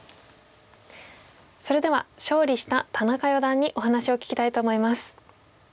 それでは勝利した田中四段にお話を聞きたいと思います。